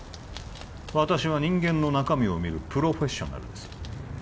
私は人間の中身を見るプロフェッショナルです